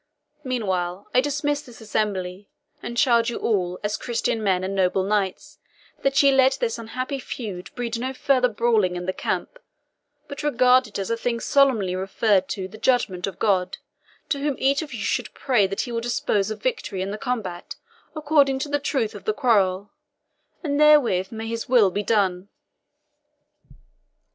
Meanwhile, I dismiss this assembly, and charge you all, as Christian men and noble knights, that ye let this unhappy feud breed no further brawling in the camp, but regard it as a thing solemnly referred to the judgment of God, to whom each of you should pray that He will dispose of victory in the combat according to the truth of the quarrel; and therewith may His will be done!"